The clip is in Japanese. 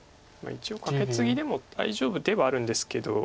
一応カケツギでも大丈夫ではあるんですけど。